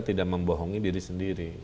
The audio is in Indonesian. tidak membohongi diri sendiri